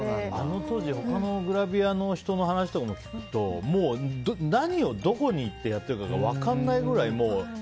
当時他のグラビアの人の話を聞くと何をどこに行ってやってるか分かんないくらい。